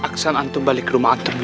aksan anto balik rumah antun dulu